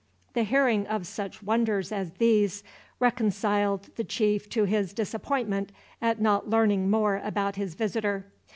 The hearing of such wonders as these reconciled the chief to his disappointment at not learning more about his visitor.